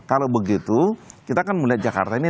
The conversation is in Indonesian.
kalau begitu kita kan melihat jakarta ini